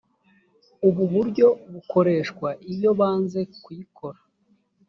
ubu buryo bukoreshwa iyo banze kuyikora